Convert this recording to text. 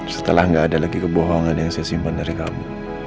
setelah gak ada lagi kebohongan yang saya simpan dari kamu